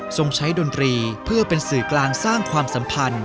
ใช้ดนตรีเพื่อเป็นสื่อกลางสร้างความสัมพันธ์